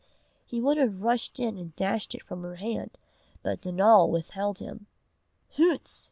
He would have rushed in and dashed it from her hand, but Donal withheld him. "Hoots!"